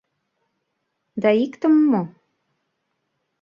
Да иктым мо?